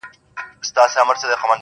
ږغېدی په څو څو ژبو د پېریانو،